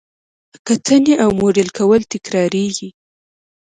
کتنې او موډل کول تکراریږي.